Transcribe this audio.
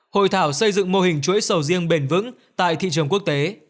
hội thảo xây dựng mô hình chuỗi sầu riêng bền vững tại thị trường quốc tế